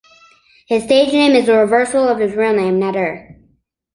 His stage name is the reversal of his real name Nadir.